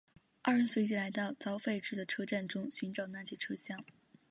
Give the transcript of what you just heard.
二人随即来到遭废置的车站中寻找那节车厢。